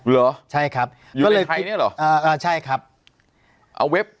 เหรอใช่ครับอยู่ในไทยเนี้ยเหรอเอ่อเอ่อใช่ครับเอาเว็บ